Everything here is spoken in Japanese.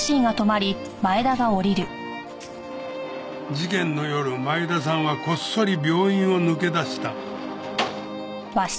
事件の夜前田さんはこっそり病院を抜け出した。